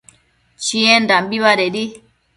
Chiendambi badedi